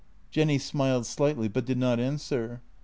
" Jenny smiled slightly, but did not answer.